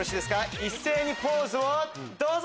一斉にポーズをどうぞ！